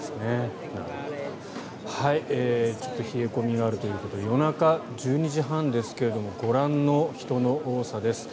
ちょっと冷え込みがあるということで夜中、１２時半ですがご覧の人の多さです。